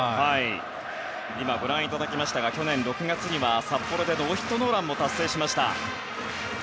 今、ご覧いただきましたが去年６月には札幌でノーヒットノーランも達成しました。